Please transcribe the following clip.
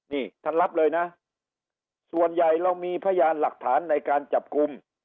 นี่ท่านรับเลยนะส่วนใหญ่เรามีพยานหลักฐานในการจับกลุ่ม